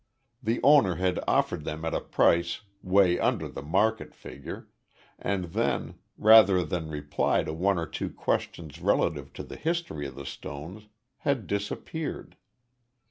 The owner had offered them at a price 'way under the market figure, and then, rather than reply to one or two questions relative to the history of the stones, had disappeared.